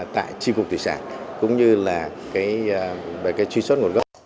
tại tri phục thủy sản